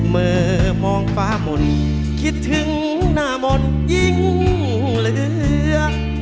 เมื่อมองฟ้ามนต์คิดถึงหน้ามนต์ยิ่งเหลือง